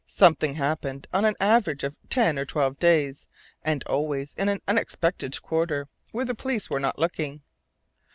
Something happened on an average of every ten or twelve days, and always in an unexpected quarter, where the police were not looking.